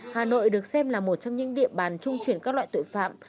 hà nội được xem là một trong những địa bàn trung chuyển các loại tội phạm